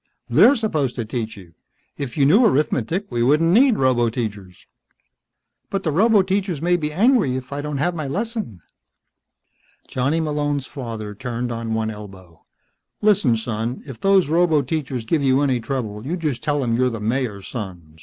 They're supposed to teach you. If you knew arithmetic we wouldn't need roboteachers." "But the roboteachers may be angry if I don't have my lesson." Johnny Malone's father turned on one elbow. "Listen, son," he said. "If those roboteachers give you any trouble you just tell them you're the Mayor's son.